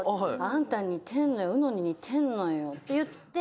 あんたに似てんのようのに似てんのよって言って」